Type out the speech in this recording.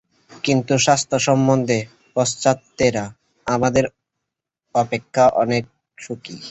কিন্তু স্বাস্থ্য সম্বন্ধে পাশ্চাত্যেরা আমাদের অপেক্ষা অনেক সুখী।